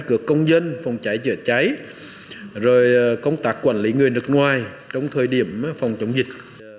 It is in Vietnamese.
cửa công dân phòng cháy chữa cháy rồi công tác quản lý người nước ngoài trong thời điểm phòng chống dịch